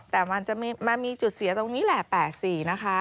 แต่มันจะมามีจุดเสียตรงนี้แหละ๘๔นะคะ